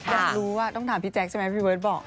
อยากรู้ว่าต้องถามพี่แจ๊คใช่ไหมพี่เบิร์ตบอก